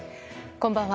こんばんは。